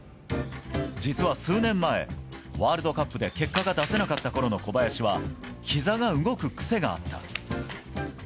実は数年前、ワールドカップで結果が出せなかったころの小林は、ひざが動く癖があった。